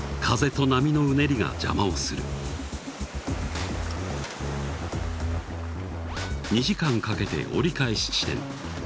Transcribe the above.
風と波のうねりが邪魔をする２時間かけて折り返し地点